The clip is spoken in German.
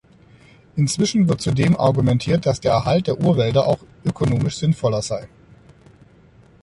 Inzwischen wird zudem argumentiert, dass der Erhalt der Urwälder auch ökonomisch sinnvoller sei.